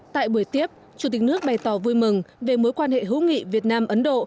tại buổi tiếp chủ tịch nước bày tỏ vui mừng về mối quan hệ hữu nghị việt nam ấn độ